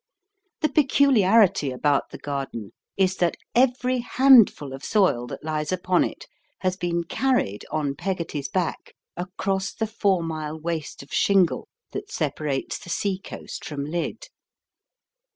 The peculiarity about the garden is that every handful of soil that lies upon it has been carried on Peggotty's back across the four mile waste of shingle that separates the sea coast from Lydd.